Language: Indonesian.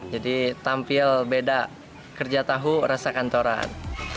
jadi tampil beda kerja tahu rasa kantoran